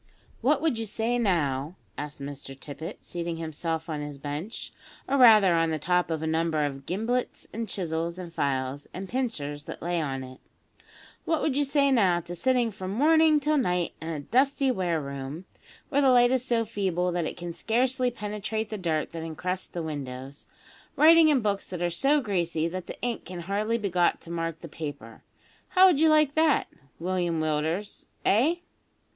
"What would you say now," asked Mr Tippet, seating himself on his bench, or rather on the top of a number of gimblets and chisels and files and pincers that lay on it; "what would you say now to sitting from morning till night in a dusty ware room, where the light is so feeble that it can scarcely penetrate the dirt that encrusts the windows, writing in books that are so greasy that the ink can hardly be got to mark the paper? How would you like that, William Willders eh?"